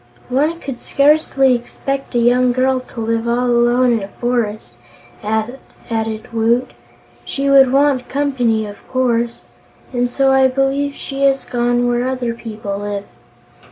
"One could scarcely expect a young girl to live all alone in a forest," added Woot. "She would want company, of course, and so I believe she has gone where other people live."